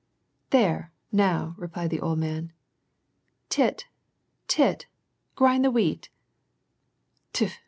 " There, now," replied the old man. " Tit, Tit, grind the wheat."* " Tfu